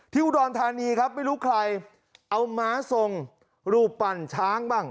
อุดรธานีครับไม่รู้ใครเอาม้าทรงรูปปั่นช้างบ้าง